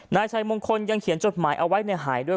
นายชัยมงคลยังเขียนจดหมายเอาไว้ในหายด้วย